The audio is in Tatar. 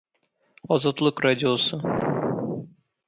Азатлык радиосы